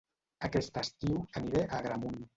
Aquest estiu aniré a Agramunt